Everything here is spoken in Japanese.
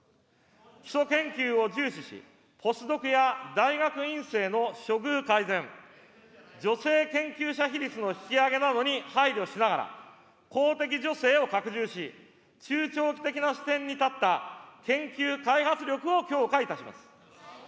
基礎研究を重視し、ポスドクや大学院生の処遇改善、女性研究者比率の引き上げなどに配慮しながら、公的助成を拡充し、中長期的な視点に立った研究・開発力を強化いたします。